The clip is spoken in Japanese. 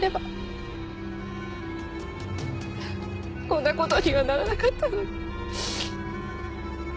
こんな事にはならなかったのに。